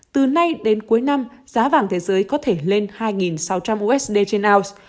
từ nay đến cuối năm giá vàng thế giới có thể lên hai sáu trăm linh usd trên ounce